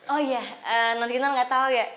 oh iya nonkenar gak tau ya